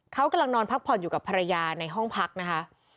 เขากำลังนอนพักผ่อนอยู่กับภรรยาในห้องพักนะคะ